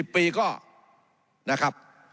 ๑๐ปีก็นะครับ